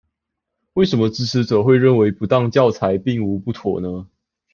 為什麼支持者會認為不當教材並無不妥呢？